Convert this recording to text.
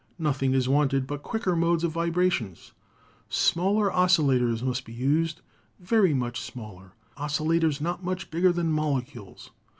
Nothing is wanted but quicker modes of vibrations. Smaller oscillators must be used — very much smaller — oscillators not much bigger than molecules.